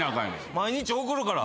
毎日送るから。